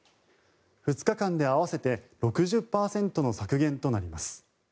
２日間で合わせて６０％の削減となります。